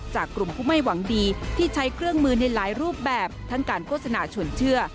กลุ่มผู้ไม่หวังดีที่ใช้เครื่องมือในหลายรูปแบบทั้งการโฆษณาชวนเชื่อ